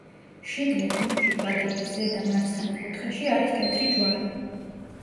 შიგნით ლურჯი კვადრატის ზედა მარცხენა კუთხეში არის თეთრი ჯვარი.